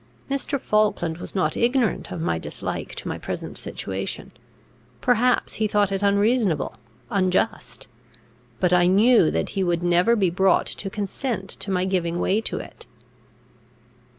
Mr. Falkland was not ignorant of my dislike to my present situation; perhaps he thought it unreasonable, unjust; but I knew that he would never be brought to consent to my giving way to it.